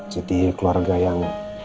jadi keluarga yang